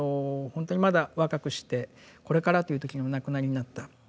本当にまだ若くしてこれからという時にお亡くなりになった。